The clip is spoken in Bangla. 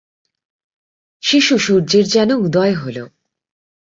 শিশু সূর্যের যেন উদয় হল।